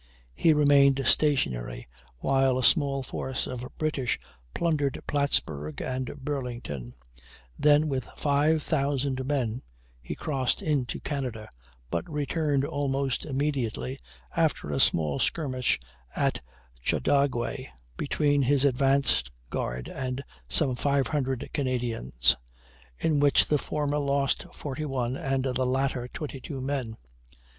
He remained stationary while a small force of British plundered Plattsburg and Burlington; then, with 5,000 men he crossed into Canada, but returned almost immediately, after a small skirmish at Chauteaugay between his advance guard and some 500 Canadians, in which the former lost 41 and the latter 22 men.